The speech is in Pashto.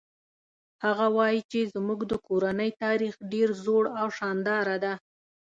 هغه وایي چې زموږ د کورنۍ تاریخ ډېر زوړ او شانداره ده